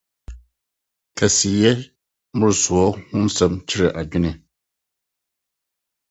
Kɛseyɛ mmoroso ho nsɛm kyere adwene.